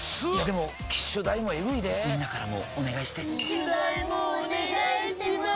でも機種代もエグいでぇみんなからもお願いして機種代もお願いします